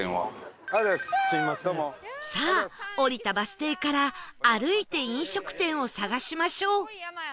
さあ降りたバス停から歩いて飲食店を探しましょう